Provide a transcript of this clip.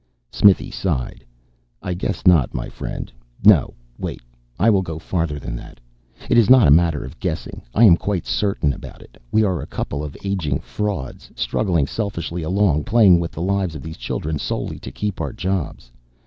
Smithy sighed. "I guess not, my friend. No, wait. I will go farther than that. It is not a matter of guessing. I am quite certain about it. We are a couple of aging frauds, struggling selfishly along, playing with the lives of these children solely to keep our jobs.